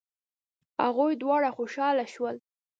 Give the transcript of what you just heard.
هغوی دواړه خوشحاله شول.